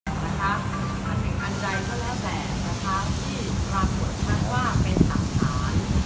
อาหารแห่งอันใดเท่าแล้วแหละนะคะที่ราบหัวชั้นว่าเป็นตังค์ฐาน